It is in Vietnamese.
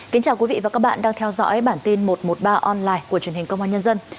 kính chào quý vị và các bạn đang theo dõi bản tin một trăm một mươi ba online của truyền hình công an nhân dân